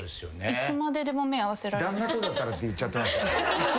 「いつまででも目合わせられる」